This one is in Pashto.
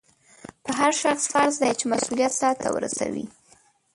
په هر شخص فرض دی چې مسؤلیت سرته ورسوي.